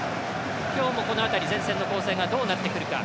今日もこの辺り前線の構成どうなってくるか。